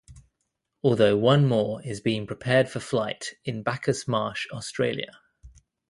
Although one more is being prepared for flight in Bacchus Marsh Australia.